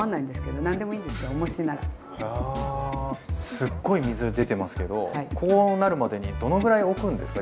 すっごい水出てますけどこうなるまでにどのぐらいおくんですか